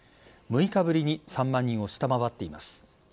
６日ぶりに３万人を下回っています。